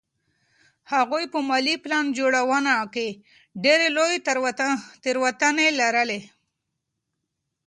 هغوی په مالي پلان جوړونه کې ډېرې لویې تېروتنې لرلې.